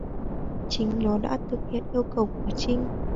chính là Nó đã thực hiện yêu cầu của Trinh